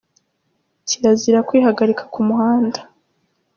cyerazira kwihagarika ku muhanda